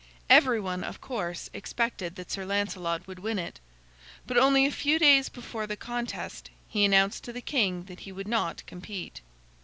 Everyone, of course, expected that Sir Lancelot would win it, but only a few days before the contest he announced to the king that he would not compete.